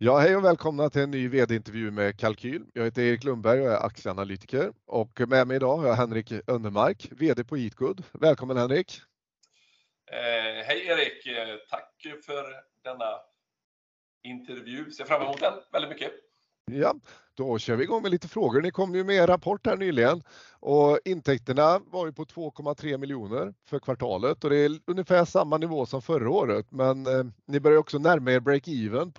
Ja, hej och välkomna till en ny VD-intervju med Kalqyl. Jag heter Erik Lundberg och jag är aktieanalytiker och med mig i dag har jag Henrik Önnermark, VD på EatGood. Välkommen Henrik! Hej Erik, tack för denna intervju. Ser fram emot den väldigt mycket. Ja, då kör vi i gång med lite frågor. Ni kom ju med er rapport här nyligen och intäkterna var ju på SEK 2.3 million för kvartalet och det är ungefär samma nivå som förra året. Ni börjar också närma er break even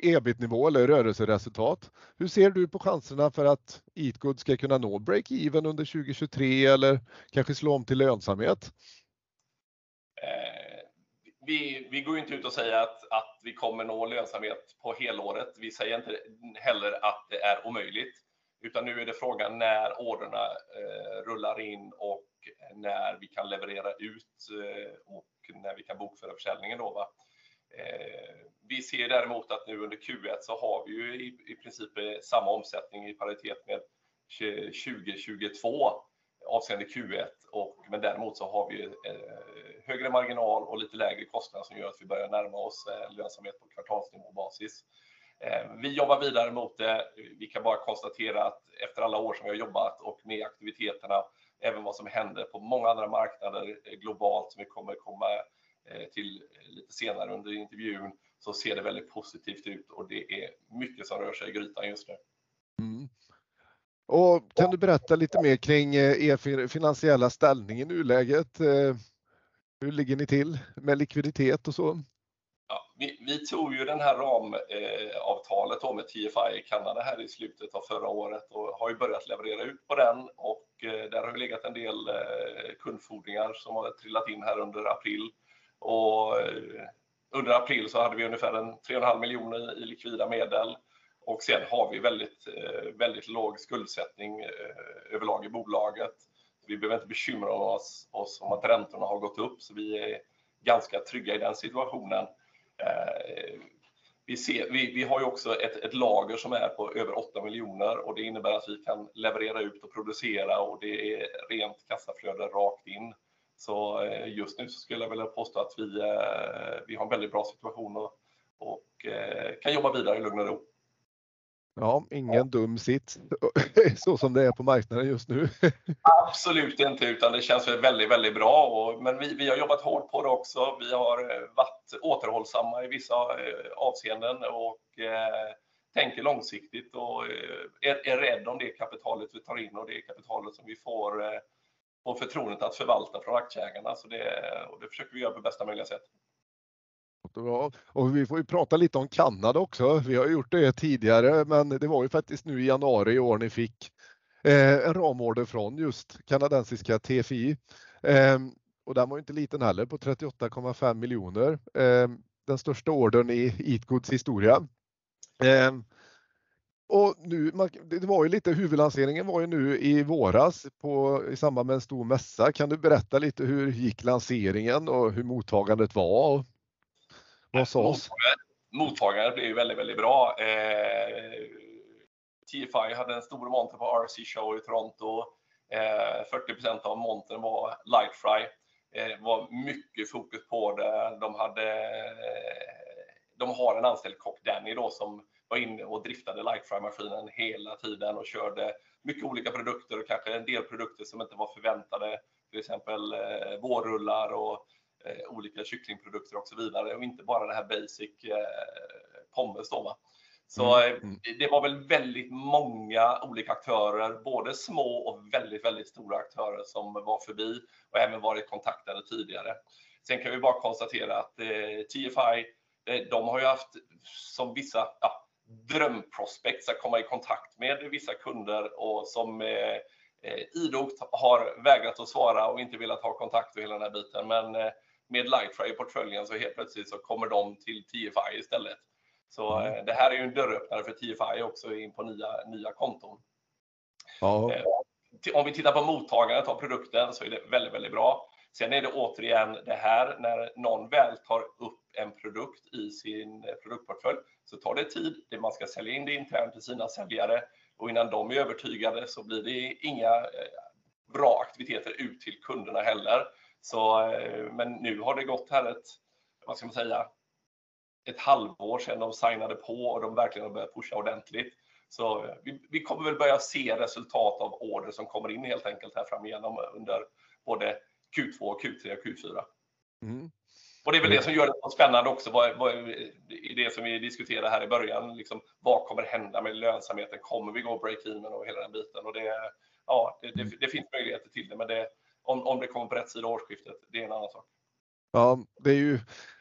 på i EBIT-nivå eller rörelseresultat. Hur ser du på chanserna för att EatGood ska kunna nå break even under 2023 eller kanske slå om till lönsamhet? Vi går inte ut och säger att vi kommer att nå lönsamhet på helåret. Vi säger inte heller att det är omöjligt, utan nu är det frågan när ordrarna rullar in och när vi kan leverera ut och när vi kan bokföra försäljningen då va. Vi ser däremot att nu under Q1 så har vi ju i princip samma omsättning i paritet med 2022, avseende Q1. Däremot så har vi högre marginal och lite lägre kostnad som gör att vi börjar närma oss lönsamhet på kvartalsnivåbasis. Vi jobbar vidare mot det. Vi kan bara konstatera att efter alla år som vi har jobbat och med aktiviteterna, även vad som händer på många andra marknader globalt, som vi kommer att komma till lite senare under intervjun, så ser det väldigt positivt ut och det är mycket som rör sig i grytan just nu. Kan du berätta lite mer kring er finansiella ställning i nuläget? Hur ligger ni till med likviditet och så? Ja, vi tog ju den här ramavtalet med TFI i Kanada här i slutet av förra året och har ju börjat leverera ut på den och där har vi legat en del kundfordringar som har trillat in här under april. Under april så hade vi ungefär SEK 3.5 miljoner i likvida medel och sedan har vi väldigt låg skuldsättning överlag i bolaget. Vi behöver inte bekymra oss om att räntorna har gått upp, så vi är ganska trygga i den situationen. Eh, vi ser, vi har ju också ett lager som är på över SEK 8 miljoner och det innebär att vi kan leverera ut och producera och det är rent kassaflöde rakt in. Just nu så skulle jag vilja påstå att vi, eh, vi har en väldigt bra situation och kan jobba vidare i lugn och ro. Ja, ingen dum sits så som det är på marknaden just nu. Absolut inte, utan det känns väldigt bra. Vi har jobbat hårt på det också. Vi har varit återhållsamma i vissa avseenden och tänker långsiktigt och är rädd om det kapitalet vi tar in och det kapitalet som vi får och förtroendet att förvalta från aktieägarna. Det, och det försöker vi göra på bästa möjliga sätt. Jättebra. Vi får ju prata lite om Kanada också. Vi har gjort det tidigare, men det var ju faktiskt nu i januari i år, ni fick en ramorder från just kanadensiska TFI. Den var inte liten heller, på SEK 38.5 million. Den största ordern i EatGood's historia. Nu, det var ju lite huvudlanseringen var ju nu i våras på i samband med en stor mässa. Kan du berätta lite hur gick lanseringen och hur mottagandet var? Vad sa oss? Mottagandet blev ju väldigt bra. TFI hade en stor monter på RC Show i Toronto. 40% av montern var Lightfry. Det var mycket fokus på det. De har en anställd kock, Danny då, som var inne och driftade Lightfry-maskinen hela tiden och körde mycket olika produkter och kanske en del produkter som inte var förväntade, till exempel, vårrullar och olika kycklingprodukter och så vidare. Inte bara det här basic pommes då va. Det var väl väldigt många olika aktörer, både små och väldigt stora aktörer som var förbi och även varit kontaktade tidigare. Kan vi bara konstatera att TFI, de har ju haft som vissa, ja, drömprospekt, ska komma i kontakt med vissa kunder och som idogt har vägrat att svara och inte velat ha kontakt och hela den här biten. med LightFry i portföljen så helt plötsligt så kommer de till TFI istället. det här är ju en dörröppnare för TFI också in på nya konton. Ja. Om vi tittar på mottagandet av produkten så är det väldigt bra. Sen är det återigen det här, när någon väl tar upp en produkt i sin produktportfölj, så tar det tid. Man ska sälja in det internt till sina säljare och innan de är övertygade så blir det inga bra aktiviteter ut till kunderna heller. Så, men nu har det gått här ett, vad ska man säga, ett halvår sedan de signade på och de verkligen har börjat pusha ordentligt. Så vi kommer väl börja se resultat av order som kommer in helt enkelt här fram igenom, under både Q2, Q3 och Q4. Mm. Det är väl det som gör det så spännande också, vad, i det som vi diskuterade här i början. Vad kommer att hända med lönsamheten? Kommer vi gå break even och hela den biten? Ja, det finns möjligheter till det, men det, om det kommer på rätt sida av årsskiftet, det är en annan sak. Det är ju,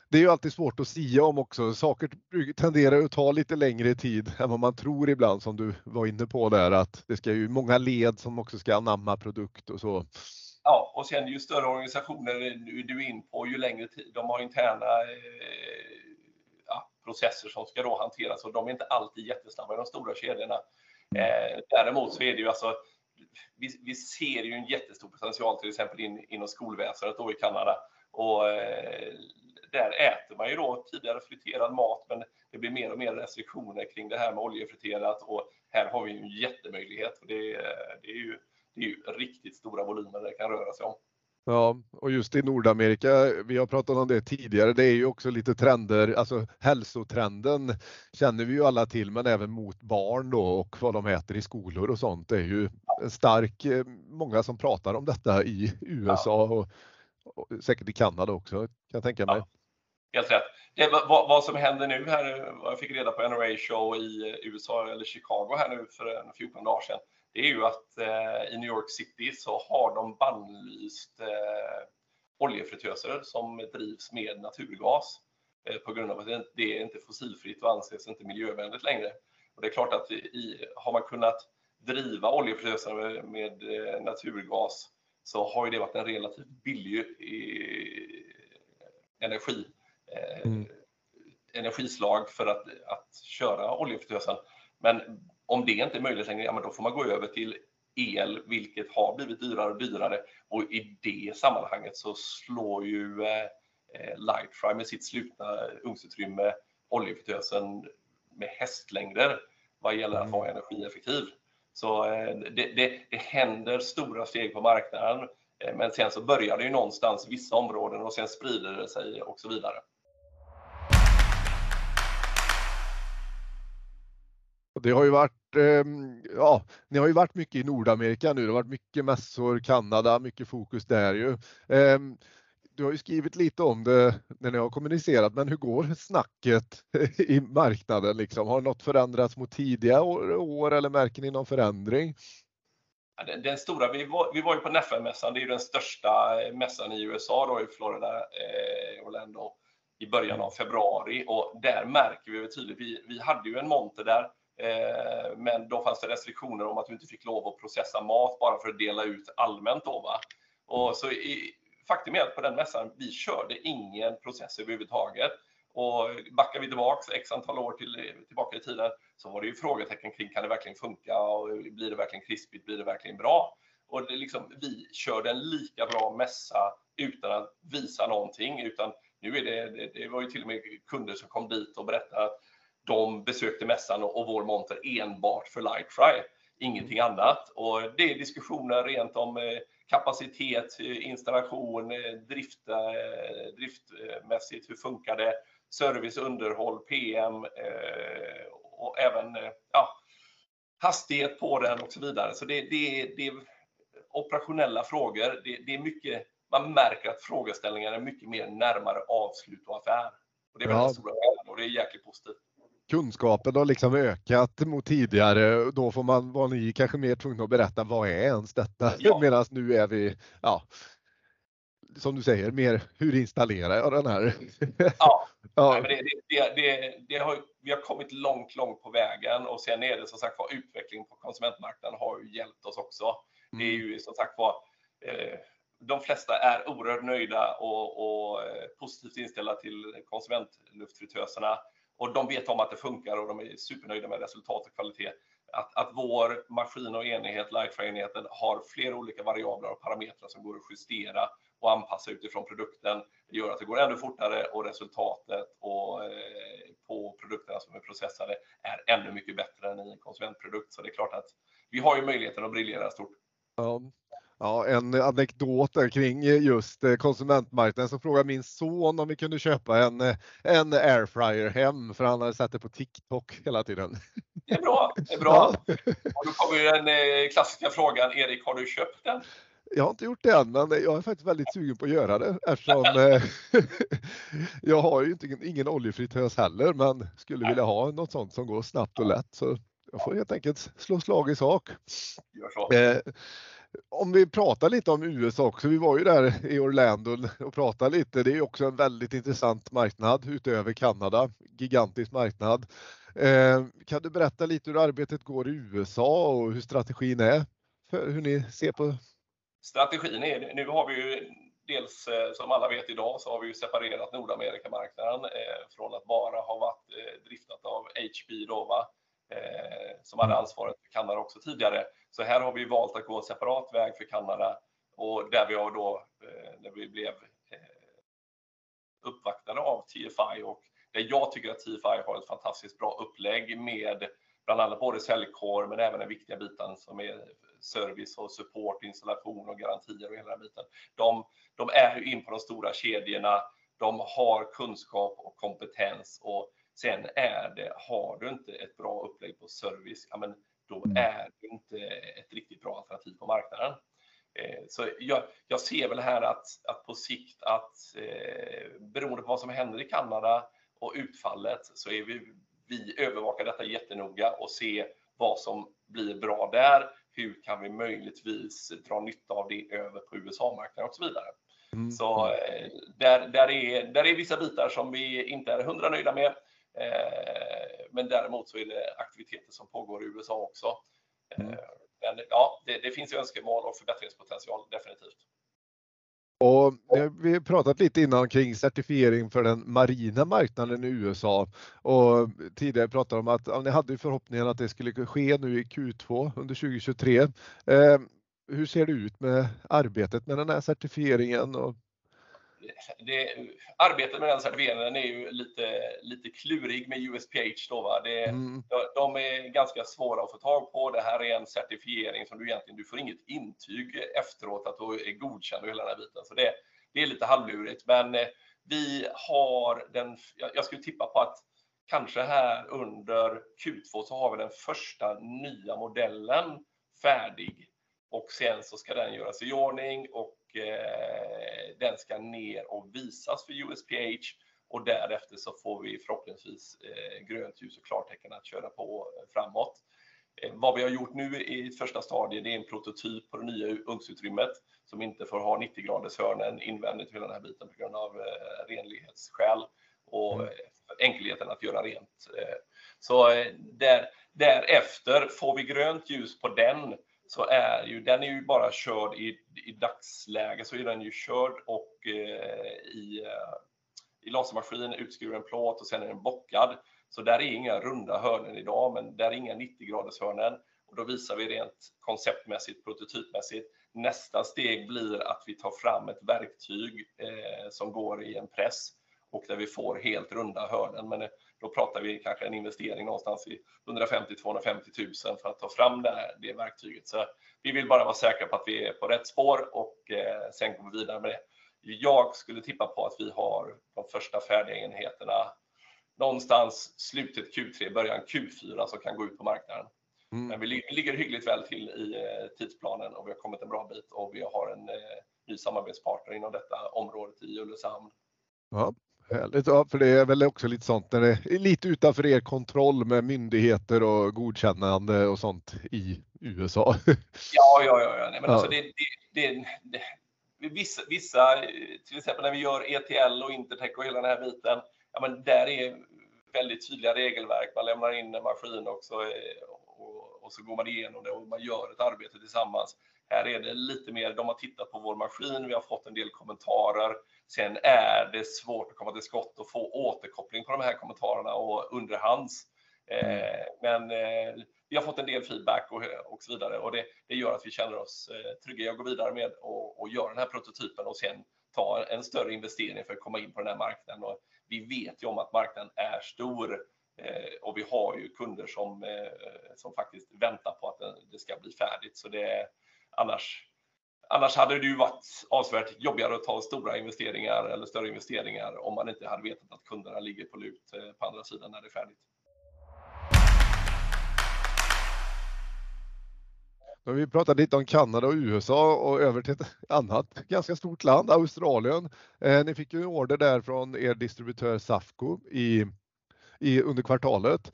det är ju alltid svårt att sia om också. Saker tenderar att ta lite längre tid än vad man tror ibland, som du var inne på där, att det ska ju många led som också ska anamma produkt och så. Ja, och sen ju större organisationer nu är du in på, ju längre tid. De har interna processer som ska då hanteras och de är inte alltid jättesnabba i de stora kedjorna. Däremot så är det ju vi ser ju en jättestor potential, till exempel, inom skolväsendet i Canada. Här äter man ju då tidigare friterad mat, men det blir mer och mer restriktioner kring det här med oljefriterat och här har vi en jättemöjlighet. Det är ju riktigt stora volymer det kan röra sig om. Ja, just i Nordamerika, vi har pratat om det tidigare, det är ju också lite trender. Alltså, hälsotrenden känner vi ju alla till, men även mot barn då och vad de äter i skolor och sånt. Många som pratar om detta i USA och säkert i Kanada också, kan jag tänka mig. Helt rätt. Vad som händer nu här, vad jag fick reda på NRA Show i USA eller Chicago här nu för 14 dagar sedan. Det är ju att i New York City så har de bannlyst oljefritöser som drivs med naturgas. På grund av att det är inte fossilfritt och anses inte miljövänligt längre. Det är klart att i, har man kunnat driva oljefritöser med naturgas, så har ju det varit en relativ billig energislag för att köra oljefritösen. Om det inte är möjligt längre, ja men då får man gå över till el, vilket har blivit dyrare och dyrare. I det sammanhanget så slår ju LightFry med sitt slutna ugnsutrymme oljefritösen med hästlängder vad gäller att vara energieffektiv. Det händer stora steg på marknaden, men sen så börjar det ju någonstans i vissa områden och sen sprider det sig och så vidare. Det har ju varit, ja, ni har ju varit mycket i Nordamerika nu. Det har varit mycket mässor, Kanada, mycket fokus där ju. Du har ju skrivit lite om det när ni har kommunicerat, men hur går snacket i marknaden liksom? Har något förändrats mot tidigare år eller märker ni någon förändring? Ja, den stora, vi var ju på NAFEM-mässan, det är den största mässan i U.S., då i Florida, Orlando i början av februari och där märker vi väl tydligt, vi hade ju en monter där, men då fanns det restriktioner om att vi inte fick lov att processa mat bara för att dela ut allmänt då. Faktum är att på den mässan, vi körde ingen process överhuvudtaget. Backar vi tillbaka x antal år till, tillbaka i tiden, så var det ju frågetecken kring kan det verkligen funka och blir det verkligen krispigt, blir det verkligen bra? Det liksom, vi körde en lika bra mässa utan att visa någonting, utan nu är det var ju till och med kunder som kom dit och berättade att de besökte mässan och vår monter enbart för Lightfry. Ingenting annat. Det är diskussioner rent om kapacitet, installation, drifta, driftmässigt, hur funkar det? Service, underhåll, PM, och även hastighet på den och så vidare. Det är operationella frågor. Man märker att frågeställningarna är mycket mer närmare avslut och affär. Det är väldigt stora och det är jäkligt positivt. Kunskapen har liksom ökat mot tidigare. Då får man, var ni kanske mer tvungen att berätta vad är ens detta? Ja. Medans nu är vi, ja, som du säger, mer hur installerar jag den här? Ja, det har ju, vi har kommit långt på vägen, och sen är det som sagt var utveckling på konsumentmarknaden har ju hjälpt oss också. Det är ju som sagt var, de flesta är oerhört nöjda och positivt inställda till konsumentluftfritösarna. De vet om att det funkar och de är supernöjda med resultat och kvalitet. Att vår maskin och enighet, LightFry-enheten, har flera olika variabler och parametrar som går att justera och anpassa utifrån produkten, gör att det går ännu fortare och resultatet på produkterna som är processade är ännu mycket bättre än i en konsumentprodukt. Det är klart att vi har ju möjligheten att briljera stort. Ja, en anekdot omkring just konsumentmarknaden så frågade min son om vi kunde köpa en airfryer hem, för han hade sett det på TikTok hela tiden. Det är bra, det är bra. Nu kommer den klassiska frågan: Erik, har du köpt den? Jag har inte gjort det än, men jag är faktiskt väldigt sugen på att göra det. Eftersom jag har ju inte, ingen oljefritös heller, men skulle vilja ha något sånt som går snabbt och lätt. Så jag får helt enkelt slå slag i sak. Gör det. Om vi pratar lite om USA också. Vi var ju där i Orlando och pratade lite. Det är också en väldigt intressant marknad utöver Canada. Gigantisk marknad. Kan du berätta lite hur arbetet går i USA och hur strategin är? Strategin är, nu har vi ju dels, som alla vet i dag, så har vi ju separerat North America-marknaden från att bara ha varit driftat av HB då va, som hade ansvaret för Canada också tidigare. Här har vi valt att gå separat väg för Canada och där vi har då, när vi blev uppvaktade av TFI och jag tycker att TFI har ett fantastiskt bra upplägg med bland annat både säljkår, men även den viktiga biten som är service och support, installation och garantier och hela biten. De är ju inne på de stora kedjorna, de har kunskap och kompetens och sen är det, har du inte ett bra upplägg på service, ja men då är det inte ett riktigt bra alternativ på marknaden. Jag ser väl här att på sikt att beroende på vad som händer i Canada och utfallet, så är vi övervakar detta jättenoga och se vad som blir bra där. Hur kan vi möjligtvis dra nytta av det över på U.S.-marknaden och så vidare? Mm. Där, där är vissa bitar som vi inte är 100% nöjda med. Däremot så är det aktiviteter som pågår i USA också. Ja, det finns ju önskemål och förbättringspotential, definitivt. Vi har pratat lite innan kring certifiering för den marina marknaden i USA. Tidigare pratade om att ni hade ju förhoppningen att det skulle ske nu i Q2, under 2023. Hur ser det ut med arbetet med den här certifieringen och? Arbetet med den certifieringen är ju lite klurig med USPH då va. De är ganska svåra att få tag på. Det här är en certifiering som du egentligen, du får inget intyg efteråt att du är godkänd och hela den här biten. Det är lite halvlurigt. Vi har den, jag skulle tippa på att kanske här under Q2 så har vi den första nya modellen färdig och sen så ska den göras i ordning och den ska ner och visas för USPH och därefter så får vi förhoppningsvis grönt ljus och klartecken att köra på framåt. Vad vi har gjort nu i första stadium, det är en prototyp på det nya ugnsutrymmet, som inte får ha 90-gradershörnen invändigt vid den här biten på grund av renlighetsskäl och för enkelheten att göra rent. Därefter får vi grönt ljus på den, är ju den är ju bara körd i dagsläget så är den ju körd och i lasermaskin, utskriven plåt och sedan är den bockad. Där är inga runda hörnen i dag, men där är inga nittiogradershörnen och då visar vi rent konceptmässigt, prototypmässigt. Nästa steg blir att vi tar fram ett verktyg, som går i en press och där vi får helt runda hörnen. Då pratar vi kanske en investering någonstans i SEK 150,000-SEK 250,000 för att ta fram det verktyget. Vi vill bara vara säkra på att vi är på rätt spår och sen gå vidare med det. Jag skulle tippa på att vi har de första färdiga enheterna någonstans slutet Q3, början Q4, som kan gå ut på marknaden. Mm. Vi ligger hyggligt väl till i tidsplanen och vi har kommit en bra bit och vi har en ny samarbetspartner inom detta området i Ulricehamn. Ja, härligt ja, för det är väl också lite sånt där det är lite utanför er kontroll med myndigheter och godkännande och sånt i USA. Ja, nej alltså det, vissa, till exempel när vi gör ETL och Intertech och hela den här biten, där är väldigt tydliga regelverk. Man lämnar in en maskin och så, går man igenom det och man gör ett arbete tillsammans. Här är det lite mer, de har tittat på vår maskin, vi har fått en del kommentarer. Det är svårt att komma till skott och få återkoppling på de här kommentarerna och underhands. Vi har fått en del feedback och så vidare, och det gör att vi känner oss trygga i att gå vidare med och göra den här prototypen och ta en större investering för att komma in på den här marknaden. Vi vet ju om att marknaden är stor, och vi har ju kunder som faktiskt väntar på att det ska bli färdigt. Det annars hade det ju varit avsevärt jobbigare att ta stora investeringar eller större investeringar om man inte hade vetat att kunderna ligger på lut på andra sidan när det är färdigt. Då har vi pratat lite om Kanada och USA och över till ett annat ganska stort land, Australien. Ni fick ju en order där från er distributör SAFCO i under kvartalet.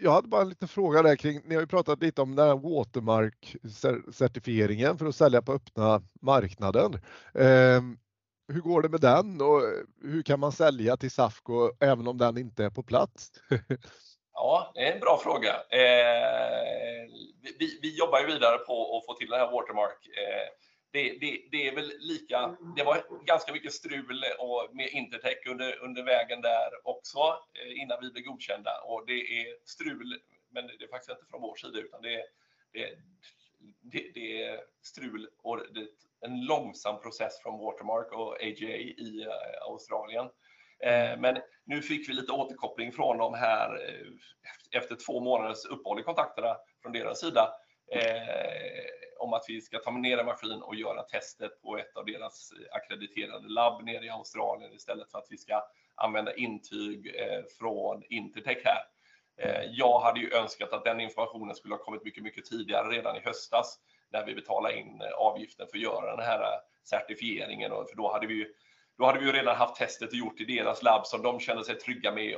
Jag hade bara en liten fråga där kring, ni har ju pratat lite om den här Watermark-certifieringen för att sälja på öppna marknaden. Hur går det med den? Och hur kan man sälja till SAFCO även om den inte är på plats? Ja, det är en bra fråga. vi jobbar ju vidare på att få till det här Watermark. Det är väl lika. Det var ganska mycket strul och med Intertech under vägen där också, innan vi blev godkända. Och det är strul, men det är faktiskt inte från vår sida, utan det är strul och det, en långsam process från Watermark och AGA i Australia. Men nu fick vi lite återkoppling från dem här efter 2 månaders uppehåll i kontakterna från deras sida, om att vi ska ta med ner en maskin och göra tester på ett av deras ackrediterade labb nere i Australia, istället för att vi ska använda intyg från Intertech här. Jag hade ju önskat att den informationen skulle ha kommit mycket tidigare, redan i höstas, när vi betalade in avgiften för att göra den här certifieringen. Då hade vi ju redan haft testet och gjort i deras labb, som de kände sig trygga med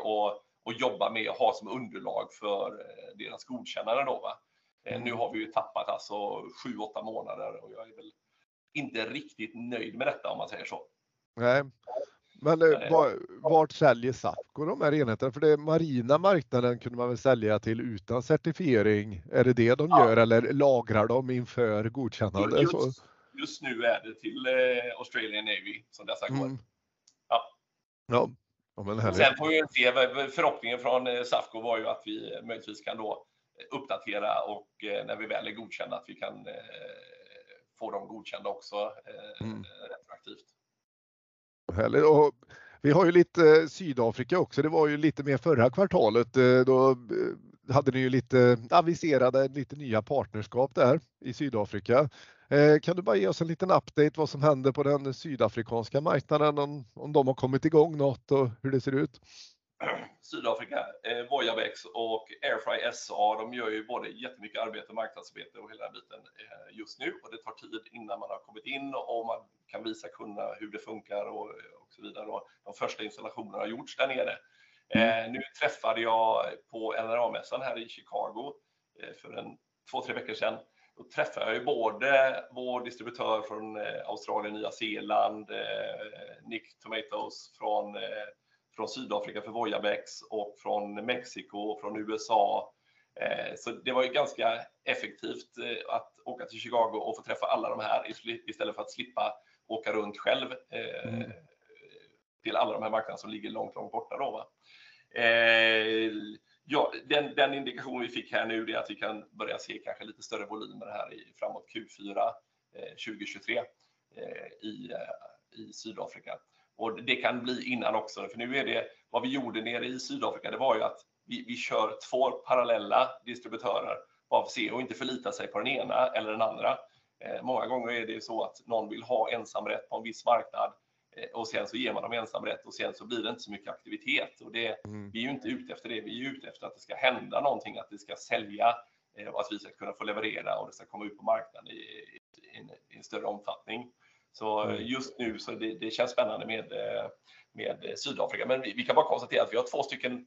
och jobba med och ha som underlag för deras godkännande då va. Har vi ju tappat alltså 7, 8 månader och jag är väl inte riktigt nöjd med detta, om man säger så. Vart säljer Safco de här enheterna? För den marina marknaden kunde man väl sälja till utan certifiering. Är det det de gör eller lagrar de inför godkännande? Just nu är det till Australian Navy som dessa går. Ja. Ja, ja men härligt. Får vi se, förhoppningen från Safco var ju att vi möjligtvis kan då uppdatera och när vi väl är godkända, att vi kan få dem godkända också, retroaktivt. Vi har ju lite Sydafrika också. Det var ju lite mer förra kvartalet. Hade ni ju lite aviserade, lite nya partnerskap där i Sydafrika. Kan du bara ge oss en liten update vad som händer på den sydafrikanska marknaden? Om de har kommit i gång något och hur det ser ut. Sydafrika, Voyabex och Air Fry SA, de gör ju både jättemycket arbete, marknadsarbete och hela den biten just nu. Det tar tid innan man har kommit in och man kan visa kunderna hur det funkar och så vidare. De första installationerna har gjorts där nere. Nu träffade jag på NRA Show här i Chicago för en two, three weeks sedan. Då träffade jag ju både vår distributör från Australien, Nya Zeeland, Nick Thomatos från Sydafrika, för Voyabex och från Mexiko och från USA. Det var ju ganska effektivt att åka till Chicago och få träffa alla de här istället för att slippa åka runt själv, till alla de här marknaderna som ligger långt borta då va? Ja, den indikationen vi fick här nu är att vi kan börja se kanske lite större volymer här i framåt Q4, 2023, i Sydafrika. Det kan bli innan också, för nu är det, vad vi gjorde nere i Sydafrika, det var ju att vi kör två parallella distributörer och se och inte förlita sig på den ena eller den andra. Många gånger är det ju så att någon vill ha ensamrätt på en viss marknad och sen så ger man dem ensamrätt och sen så blir det inte så mycket aktivitet. Mm. Vi är inte ute efter det. Vi är ute efter att det ska hända någonting, att det ska sälja, och att vi ska kunna få leverera och det ska komma ut på marknaden i en större omfattning. Just nu, det känns spännande med Sydafrika. Vi kan bara konstatera att vi har två stycken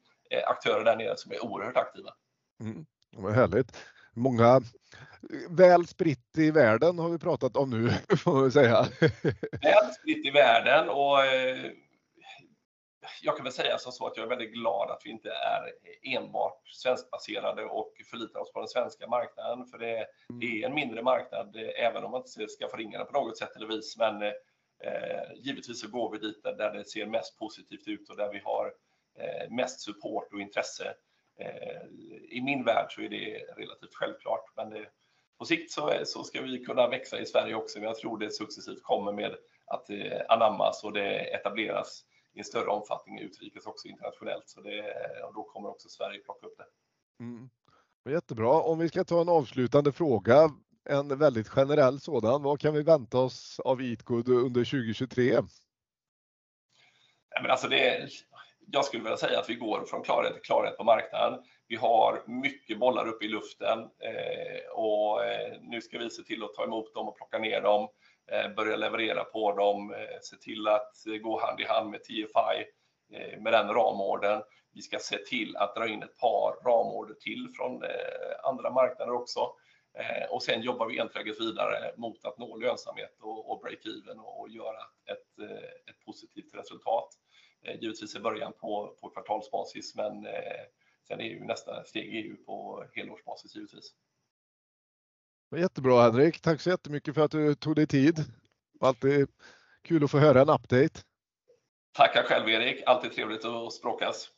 aktörer där nere som är oerhört aktiva. Mm. Vad härligt! Många, väl spritt i världen har vi pratat om nu, får vi säga. Väl spritt i världen och... jag kan väl säga som så att jag är väldigt glad att vi inte är enbart svenskbaserade och förlitar oss på den svenska marknaden, för det är en mindre marknad, även om man inte ska skaffa ringarna på något sätt eller vis. Givetvis så går vi dit där det ser mest positivt ut och där vi har mest support och intresse. I min värld så är det relativt självklart, men det, på sikt så ska vi kunna växa i Sverige också. Jag tror det successivt kommer med att det anammas och det etableras i en större omfattning i utrikes, också internationellt. Det, då kommer också Sverige plocka upp det. Jättebra. Om vi ska ta en avslutande fråga, en väldigt generell sådan: vad kan vi vänta oss av ICGood under 2023? Nej, men alltså, det, jag skulle vilja säga att vi går från klarhet till klarhet på marknaden. Vi har mycket bollar upp i luften, och nu ska vi se till att ta emot dem och plocka ner dem, börja leverera på dem, se till att gå hand i hand med TFI, med den ramorden. Vi ska se till att dra in ett par ramorder till från andra marknader också. Sen jobbar vi enträget vidare mot att nå lönsamhet och break even och göra ett positivt resultat. Givetvis är början på kvartalsbasis, men sen är ju nästa steg på helårsbasis, givetvis. Jättebra, Henrik. Tack så jättemycket för att du tog dig tid. Alltid kul att få höra en update. Tackar själv, Erik. Alltid trevligt att språkas.